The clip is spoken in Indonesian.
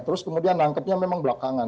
terus kemudian nangkepnya memang belakangan